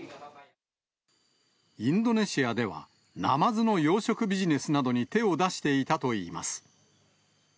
インドネシアでは、ナマズの養殖ビジネスなどに手を出していたといいます。